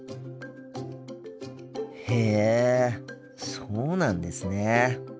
へえそうなんですね。